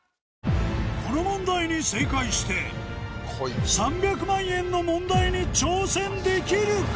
この問題に正解して３００万円の問題に挑戦できるか？